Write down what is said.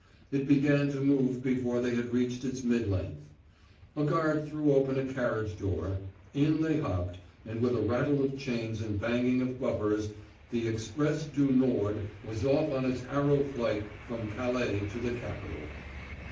It began to move before they had reached its mid length. A guard threw open a carriage door, in they hopped, and with a rattle of chains and banging of buffers the Express du Nord was off on its arrow flight from Calais to the capital.